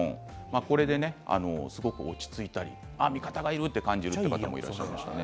これでものすごく落ち着いたり味方がいると感じるということもありました。